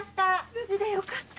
無事でよかった！